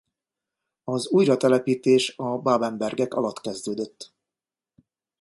Az újratelepítés a Babenbergek alatt kezdődött.